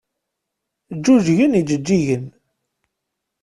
Ǧǧuǧgen yijeǧǧigen.